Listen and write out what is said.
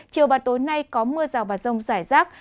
chiều và tối nay có mưa rào và rông rải rác